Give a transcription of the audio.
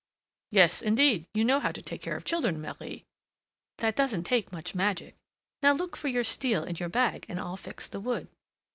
"Yes, indeed! you know how to take care of children, Marie!" "That doesn't take much magic. Now look for your steel in your bag, and I'll fix the wood."